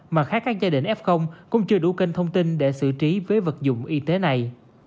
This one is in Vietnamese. mà khác các gia đình f cũng chưa đủ kênh thông tin để xử trí với vật dụng y tế này